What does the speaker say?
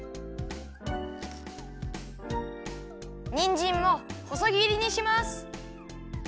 にんじんもほそぎりにします。